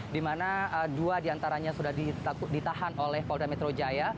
dimana dua di antaranya sudah ditahan oleh polda metro jaya